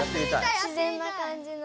自然なかんじの。